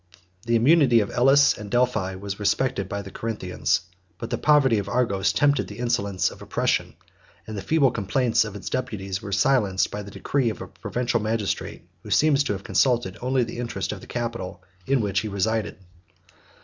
The immunity of Elis and Delphi was respected by the Corinthians; but the poverty of Argos tempted the insolence of oppression; and the feeble complaints of its deputies were silenced by the decree of a provincial magistrate, who seems to have consulted only the interest of the capital in which he resided.